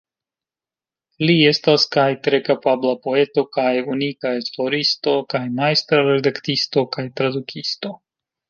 Li estas kaj tre kapabla poeto kaj unika esploristo, kaj majstra redaktisto kaj tradukisto.